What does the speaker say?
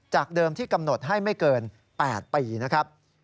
เดิมที่กำหนดให้ไม่เกิน๘ปีนะครับ